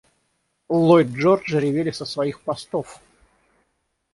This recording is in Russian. Ллойд-Джорджи ревели со своих постов!